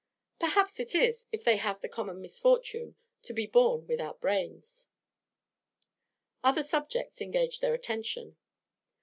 'Perhaps it is, if they have the common misfortune to be born without brains.' Other subjects engaged their attention.